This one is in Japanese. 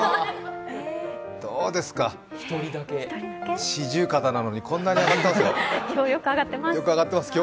どうですか四十肩なのにこんなに上がってますよ。